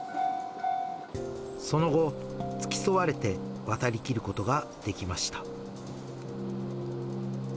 その後、付き添われて渡りきることができました。